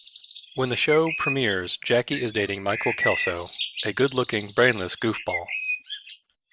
When the show premieres, Jackie is dating Michael Kelso, a good-looking, brainless goofball.